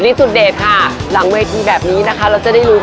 ที่สุดเด็ดค่ะหลังเวทีแบบนี้นะคะเราจะได้รู้กัน